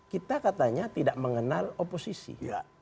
kita katanya tidak mengenal oposisi